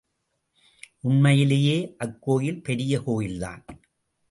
உண்மையிலேயே அக்கோயில் பெரிய கோயில்தான்.